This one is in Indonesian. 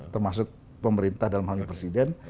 termasuk pemerintah dalam hal ini presiden